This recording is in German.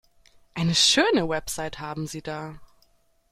Eine schöne Website haben Sie da.